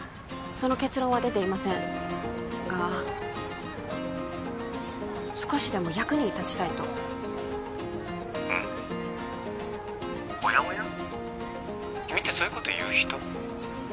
その結論は出ていませんが少しでも役に立ちたいと☎うんおやおや君ってそういうこと言う人？